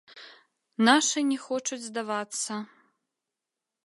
Нашы не хочуць здавацца.